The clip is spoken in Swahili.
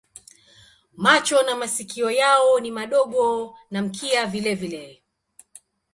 Macho na masikio yao ni madogo na mkia vilevile.